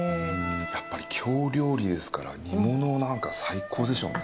やっぱり京料理ですから煮物なんか最高でしょうね。